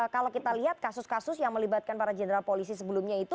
kalau kita lihat kasus kasus yang melibatkan para jenderal polisi sebelumnya itu